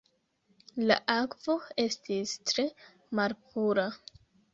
La akvo estis tre malpura.